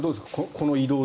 この移動。